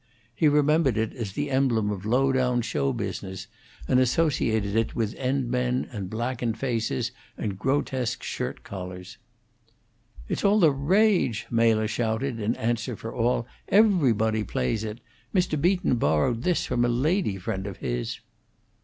He remembered it as the emblem of low down show business, and associated it with end men and blackened faces and grotesque shirt collars. "It's all the rage," Mela shouted, in answer for all. "Everybody plays it. Mr. Beaton borrowed this from a lady friend of his."